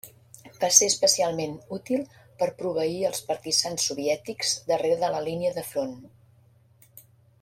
Va ser especialment útil per proveir els partisans soviètics darrere de la línia de front.